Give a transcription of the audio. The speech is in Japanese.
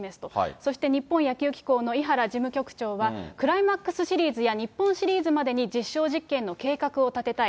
そして日本野球機構の井原事務局長は、クライマックスシリーズや日本シリーズまでに実証実験の計画を立てたい。